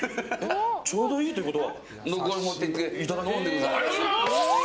ちょうどいいということは。